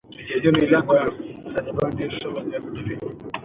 د جګړې تقابل او تقدس لوی او ښکرور درواغ دي.